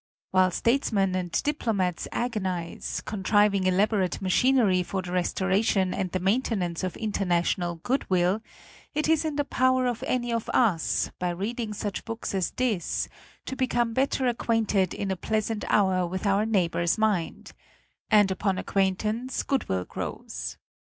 While statesmen and diplomats agon ize, contriving elaborate machinery for the restoration and the maintenance of international goodwill, it is in the power of any of us, by reading such books as this, to become better acquainted in a pleasant hour with our neighbor's mind; ix FOREWORD and upon acquaintance goodwill grows.